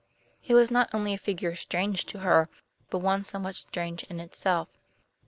It was not only a figure strange to her, but one somewhat strange in itself.